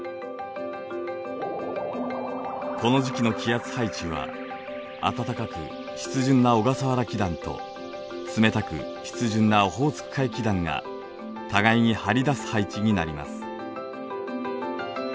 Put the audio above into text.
この時期の気圧配置は暖かく湿潤な小笠原気団と冷たく湿潤なオホーツク海気団が互いに張り出す配置になります。